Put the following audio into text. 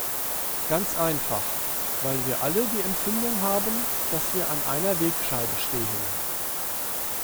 Ganz einfach. Weil wir alle die Empfindung haben, dass wir an einer Wegscheide stehen.